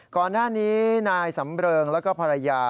ก่อนหน้านี้นายสำเริงแล้วก็ภรรยา